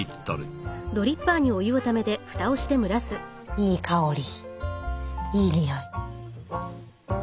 いい香りいい匂い。